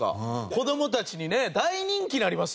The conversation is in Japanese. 子供たちに大人気になりますよ。